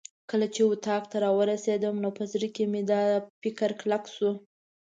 کله چې اتاق ته راورسېدم نو په زړه کې مې دا فکر کلک شو.